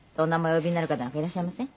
お呼びになる方なんかいらっしゃいません？